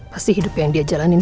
pasti hidup yang dia jalanin